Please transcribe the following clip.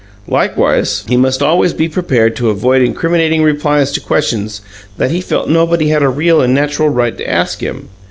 Likewise, he must always be prepared to avoid incriminating replies to questions that he felt nobody had a real and natural right to ask him.